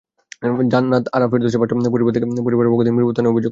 জান্নাত আরা ফেরদৌসের ভাষ্য, পরিবারের পক্ষ থেকে মিরপুর থানায় যোগাযোগ করা হয়েছে।